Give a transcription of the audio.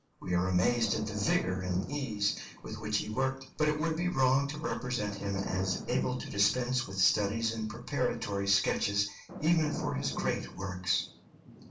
We are amazed at the vigour and ease with which he worked, but it would be wrong to represent him as able to dispense with studies and preparatory sketches, even for his great works.